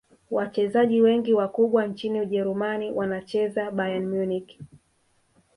wachezaji wengi wakubwa nchini ujerumani wanacheza bayern munich